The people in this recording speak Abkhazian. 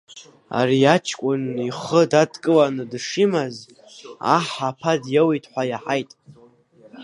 Ари аҷкәын ихы дадкыланы дышимаз, аҳ аԥа диоут ҳәа иаҳаит.